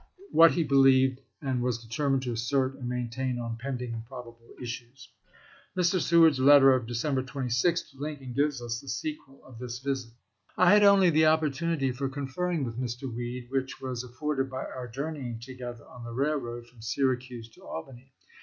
what he believed, and was determined to assert and maintain on pending and probable issues. Mr. Seward's letter of December 26, to Lincoln, gives us the sequel of this visit. I had only the opportunity for conferring with Mr. Weed which was afforded by our journeying together on the railroad from Syracuse to Albany.